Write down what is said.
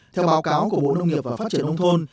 theo báo cáo của bộ nông nghiệp và phát triển nông thôn